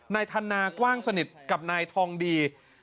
นายธันนากว้างสนิทกับนายทองดี